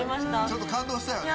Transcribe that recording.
ちょっと感動したよね。